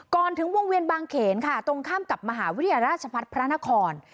ก่อนถึงวงเวียนบางเขนค่ะตรงข้ามกับมหาวิทยาลัยราชพัฒน์พระนคร